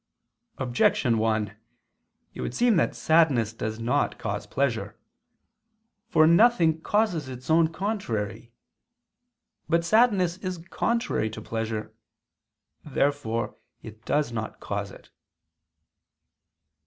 Objection 1: It would seem that sadness does not cause pleasure. For nothing causes its own contrary. But sadness is contrary to pleasure. Therefore it does not cause it.